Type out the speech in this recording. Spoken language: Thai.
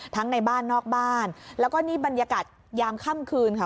ในบ้านนอกบ้านแล้วก็นี่บรรยากาศยามค่ำคืนค่ะ